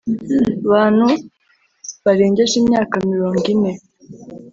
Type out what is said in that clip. Bantu barengeje imyaka mirongo ine